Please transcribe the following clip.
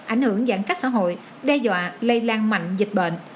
ảnh hưởng giãn cách xã hội đe dọa lây lan mạnh dịch bệnh